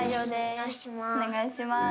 お願いします。